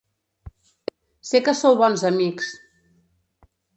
Sé que sou bons amics.